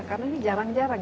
karena ini jarang jarang